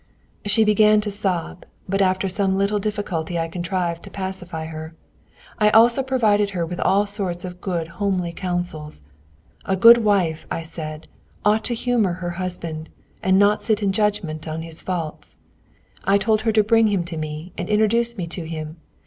She began to sob, but after some little difficulty I contrived to pacify her. I also provided her with all sorts of good homely counsels. "A good wife," I said, "ought to humour her husband, and not sit in judgment on his faults." I told her to bring him to me and introduce me to him.